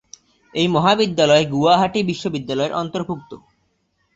এই মহাবিদ্যালয় গুয়াহাটি বিশ্ববিদ্যালয়ের অন্তর্ভুক্ত।